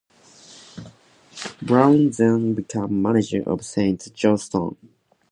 Brown then became manager of Saint Johnstone.